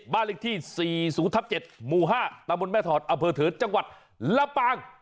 บ้านเลขที่๔๐ทับ๗หมู่๕ตะบนแม่ถอดอำเภอเถิดจังหวัดลำปาง